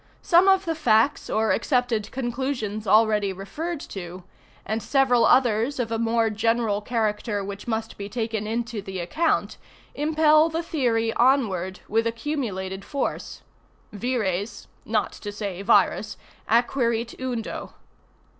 Some of the facts or accepted conclusions already referred to, and several others, of a more general character, which must be taken into the account, impel the theory onward with accumulated force. Vires (not to say virus) acquirit eundo.